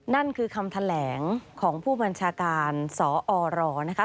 นั่นคือคำแถลงของผู้บัญชาการสอรนะคะ